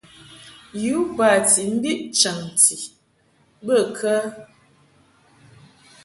U bati mbiʼ chanti bə kə ?